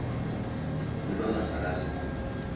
kondoo na farasi.